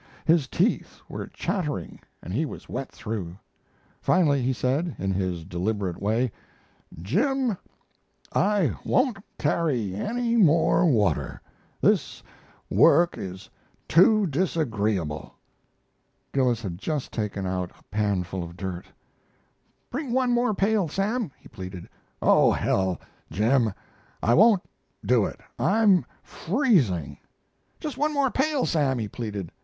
His teeth were chattering and he was wet through. Finally he said, in his deliberate way: "Jim, I won't carry any more water. This work is too disagreeable." Gillis had just taken out a panful of dirt. "Bring one more pail, Sam," he pleaded. "Oh, hell, Jim, I won't do it; I'm freezing!" "Just one more pail, Sam," he pleaded.